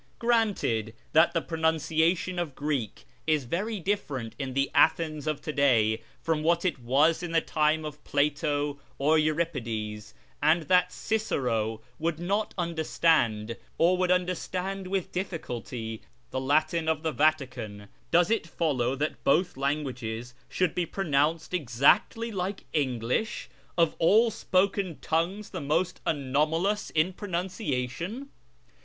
Granted that the pronunciation of Greek is very different in the Athens of to day from what it was in the time of Plato or Euripides, and that Cicero would not understand, or would understand with difficulty, the Latin of the Vatican, does it follow that both languages should be pronounced exactly like English, of all spoken tongues the most anomalous in pronunciation